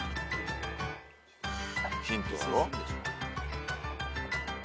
ヒントだろ。